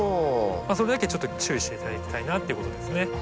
それだけちょっと注意して頂きたいなということですね。